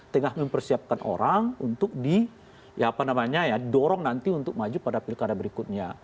tengah mempersiapkan orang untuk di dorong nanti untuk maju pada perikatan berikutnya